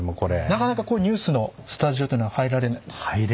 なかなかニュースのスタジオっていうのは入られないんですか？